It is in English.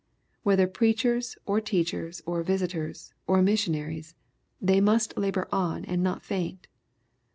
Whether preachers, or teachers, or visitors, ^ or missionaries, they must labor on and not faint.